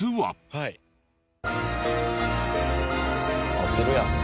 合ってるやん。